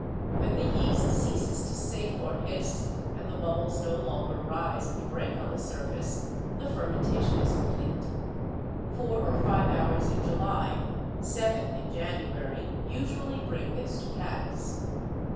When the yeast ceases to sing or hiss, and the bubbles no longer rise and break on the surface, the fermentation is complete. Four or five hours in July, seven in January, usually bring this to pass.